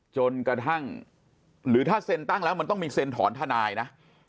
จนกระทั่งหรือถ้าเซ็นตั้งแล้วมันต้องมีเซ็นถอนทนายนะ